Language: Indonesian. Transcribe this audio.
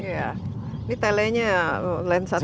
ini telanya lensa tele